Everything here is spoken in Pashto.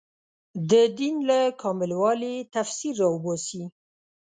د دین له کامل والي تفسیر راوباسي